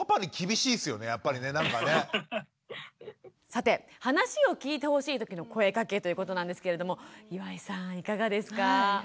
さて話を聞いてほしい時の声かけということなんですけれども岩井さんいかがですか？